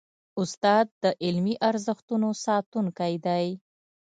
استاد د علمي ارزښتونو ساتونکی دی.